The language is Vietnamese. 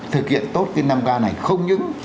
thực hiện tốt cái năm cao này không những